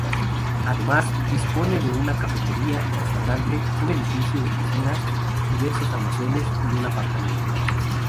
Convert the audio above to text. Además, dispone de una cafetería-restaurante, un edificio de oficinas, diversos almacenes y un aparcamiento.